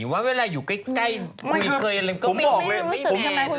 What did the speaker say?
หรือว่าเวลาอยู่ใกล้คุยเกินอะไรก็ไม่มีแมน